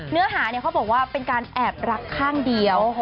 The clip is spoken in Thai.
เนื้อหาเขาบอกว่าเป็นการแอบรักข้างเดียว